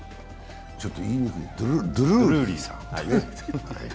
ちょっと言いにくいドルーリーさん。